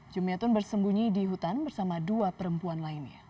jumiatun bersembunyi di hutan bersama dua perempuan lainnya